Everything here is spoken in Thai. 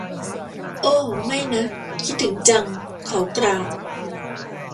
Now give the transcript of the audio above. โอ้ ไม่นะ คิดถึงจัง เขากล่าว